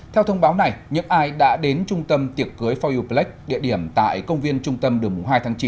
theo thông báo này những ai đã đến trung tâm tiệc cưới foru plex địa điểm tại công viên trung tâm đường hai tháng chín